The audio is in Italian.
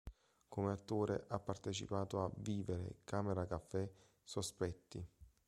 Come attore ha partecipato a "Vivere", "Camera Café", "Sospetti".